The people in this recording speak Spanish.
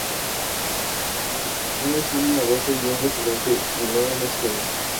Los patrones son una base, un referente y no un esquema.